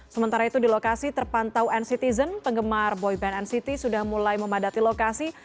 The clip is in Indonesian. sementara itu di lokasi terpantau nctzen penggemar boyband nct sudah mulai memadati lokasi